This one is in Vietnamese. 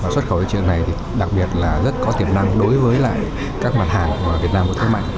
xuất khẩu từ thị trường này đặc biệt là rất có tiềm năng đối với các mặt hàng việt nam có thế mạnh